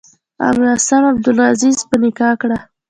ام عاصم عبدالعزیز په نکاح کړه.